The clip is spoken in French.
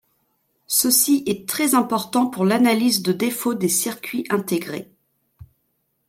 Ceci est très important pour l'analyse de défaut des circuits intégrés.